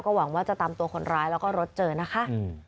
หวังว่าจะตามตัวคนร้ายแล้วก็รถเจอนะคะ